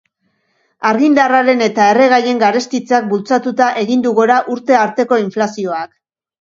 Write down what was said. Argindarraren eta erregaien garestitzeak bultzatuta egin du gora urte arteko inflazioak.